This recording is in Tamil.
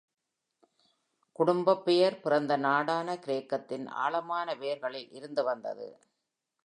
குடும்பப் பெயர் பிறந்த நாடான கிரேக்கத்தின் ஆழமான வேர்களில் இருந்து வந்தது.